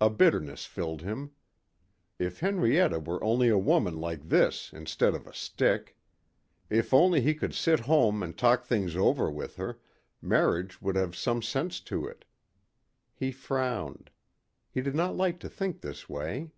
A bitterness filled him. If Henrietta were only a woman like this instead of a stick. If only he could sit home and talk things over with her, marriage would have some sense to it. He frowned. He did not like to think this way.